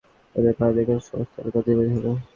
সে তার ভাইদের কর্তৃত্বাধীন সমস্ত এলাকার অধিকারী হবে।